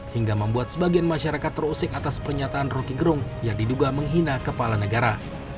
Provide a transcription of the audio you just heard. hingga membuat sebagian masyarakat terusik atas pernyataan roky gerung yang diduga menghina kepala negara